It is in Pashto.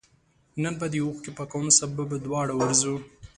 نن به دي اوښکي پاکوم سبا به دواړه ورځو